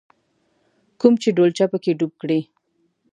کوم چې ډولچه په کې ډوب کړې.